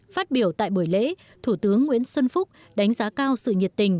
phát biểu tại buổi lễ thủ tướng nguyễn xuân phúc đánh giá cao sự nhiệt tình